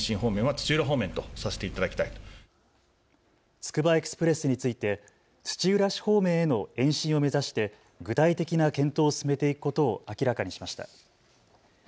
つくばエクスプレスについて土浦市方面への延伸を目指して具体的な検討を進めていくことを明らかにしました。